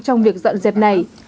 trong việc dọn dẹp này